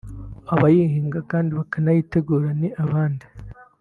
abayihinga kandi bakanayitegura n’ibindi